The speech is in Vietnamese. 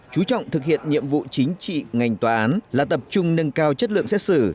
chú trọng thực hiện nhiệm vụ chính trị ngành tòa án là tập trung nâng cao chất lượng xét xử